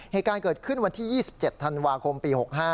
เหตุการณ์เกิดขึ้นวันที่๒๗ธันวาคมปี๖๕